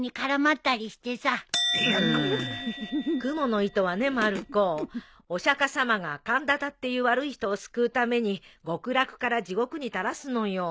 『蜘蛛の糸』はねまる子御釈迦様がカンダタっていう悪い人を救うために極楽から地獄に垂らすのよ。